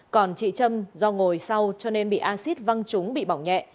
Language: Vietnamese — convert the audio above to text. còn chị trâm do ngồi sau cho nên bị acid văng trúng bị bỏng nhẹ